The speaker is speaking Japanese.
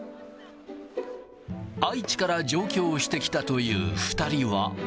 愛知から上京してきたという２人は。